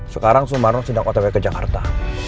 sekarang sumarno sedang otp ke jakarta